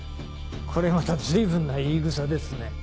これまた随分な言い草ですね。